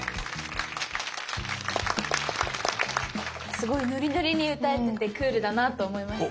すごいノリノリに歌えててクールだなと思いました。